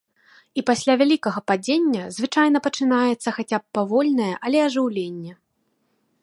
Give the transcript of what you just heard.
І пасля вялікага падзення звычайна пачынаецца хаця б павольнае, але ажыўленне.